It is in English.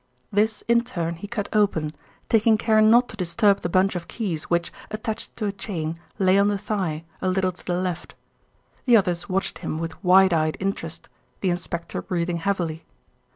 This in turn he cut open, taking care not to disturb the bunch of keys, which, attached to a chain, lay on the thigh, a little to the left. The others watched him with wide eyed interest, the inspector breathing heavily.